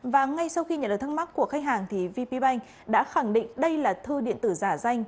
và ngay sau khi nhận được thắc mắc của khách hàng thì vp bank đã khẳng định đây là thư điện tử giả danh